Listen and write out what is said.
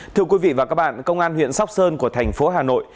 thưa quý vị và các bạn công an huyện sóc sơn của tp hà nội